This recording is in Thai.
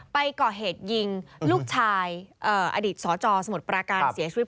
ไปก่อเหตุยิงลูกชายอดีตสจสมุทรปราการเสียชีวิต